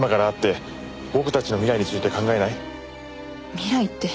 未来って。